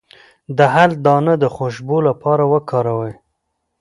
د هل دانه د خوشبو لپاره وکاروئ